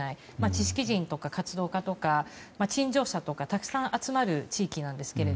知識人とか活動家とか陳情者とかたくさん集まる地域なんです。